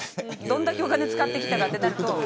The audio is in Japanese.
どんだけお金を使ってきたかとなると。